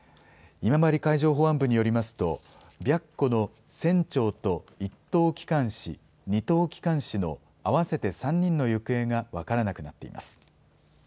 今治海上保安部によりますと、白虎の船長と１等機関士、２等機関士の合わせて３人の行方が分からなくなっています。